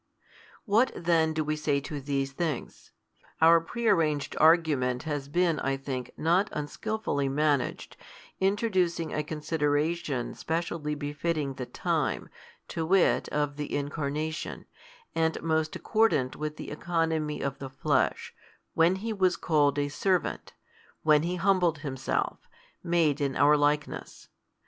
What then do we say to these things? Our prearranged argument has been, I think, not unskilfully managed, introducing a consideration specially befitting the time, to wit of the Incarnation, and most accordant with the economy of the Flesh, when He was called a servant, when |259 He humbled Himself, made in our likeness.